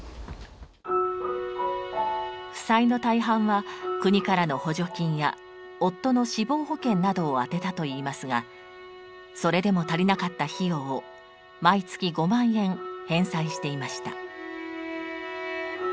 負債の大半は国からの補助金や夫の死亡保険などを充てたといいますがそれでも足りなかった費用を毎月５万円返済していました。